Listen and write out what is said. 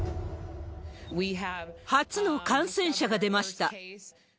初の感染者が出ました。